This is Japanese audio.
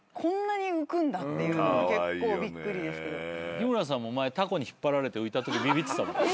日村さんも前たこに引っ張られて浮いたときビビってたもん。